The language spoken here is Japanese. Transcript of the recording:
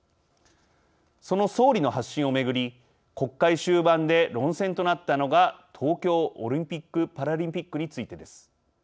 その総理の発信をめぐり国会終盤で論戦となったのが東京オリンピックパラリンピックについてです。